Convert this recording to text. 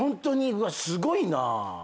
うわすごいな。